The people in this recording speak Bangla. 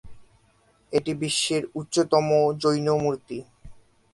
এটি বিশ্বের উচ্চতম জৈন মূর্তি।